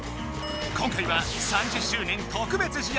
今回は３０周年特別試合！